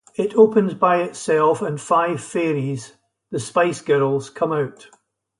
It opens by itself, and five fairies, the Spice Girls, come out.